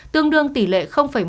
tương đương tỷ lệ một